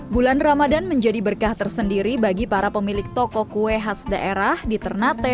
bulan ramadan menjadi berkah tersendiri bagi para pemilik toko kue khas daerah di ternate